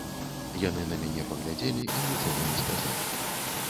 Яны на мяне паглядзелі і нічога не сказалі.